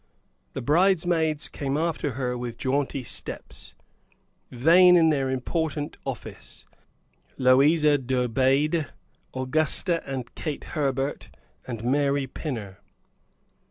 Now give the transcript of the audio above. The bridesmaids came after her with jaunty steps, vain in their important office Louisa Dobede, Augusta and Kate Herbert, and Mary Pinner.